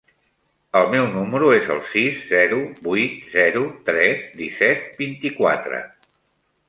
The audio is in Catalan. El meu número es el sis, zero, vuit, zero, tres, disset, vint-i-quatre.